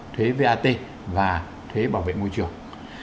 thuế vat và thuế bảo vệ môi trường